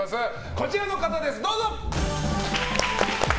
こちらの方です、どうぞ！